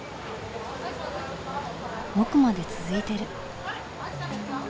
奥まで続いてる。